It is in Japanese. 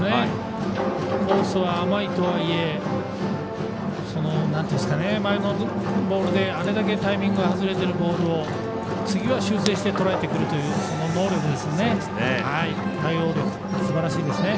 コースは甘いとはいえ前のボールであれだけタイミングが外れているボールを次は修正してとらえてくるという能力ですよね